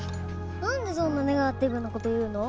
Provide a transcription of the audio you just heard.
なんでそんなネガティブな事言うの？